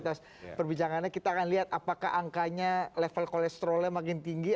atas perbincangannya kita akan lihat apakah angkanya level kolesterolnya makin tinggi